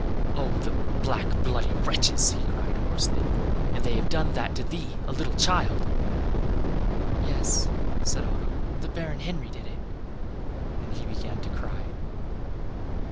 "Oh! the black, bloody wretches!" he cried, hoarsely; "and have they done that to thee, a little child?" "Yes," said Otto, "the Baron Henry did it." And then again he began to cry.